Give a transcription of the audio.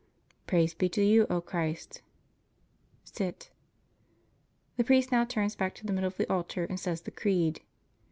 Praise be to You, O Christ. Sit The priest now turns back to the middle of the altar and says the Creed.